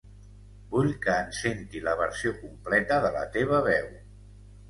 Vull que en senti la versió completa de la teva veu.